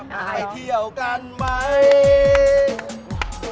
ไปเที่ยวกันไหม